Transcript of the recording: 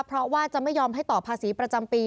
เพราะว่าจะไม่ยอมให้ต่อภาษีประจำปี